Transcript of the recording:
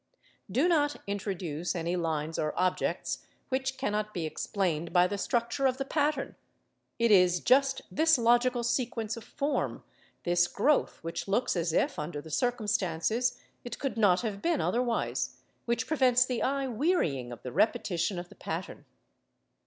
Do not introduce any lines or objects which cannot be explained by the structure of the pattern; it is just this logical sequence of form, this growth which looks as if, under the circumstances, it could not have been otherwise, which prevents the eye wearying of the repetition of the pattern.